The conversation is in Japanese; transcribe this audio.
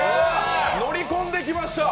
乗り込んできました！